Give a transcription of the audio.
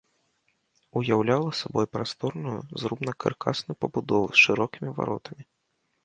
Уяўляла сабой прасторную зрубна-каркасную пабудову з шырокімі варотамі.